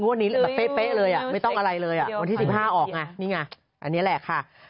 วันนี้แบบเป๊ะเลยไม่ต้องอะไรเลยวันที่๑๕ออกไงนี่ไงอันนี้แหละค่ะ